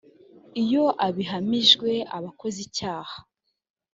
iyo abihamijwe aba akoze icyaha